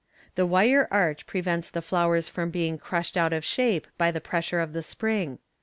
The wire arch prevents the flowers being crushed out of shape by the pressure o£ the spring.